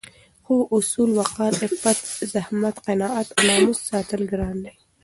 خو اصول، وقار، عفت، زحمت، قناعت او ناموس ساتل ګران دي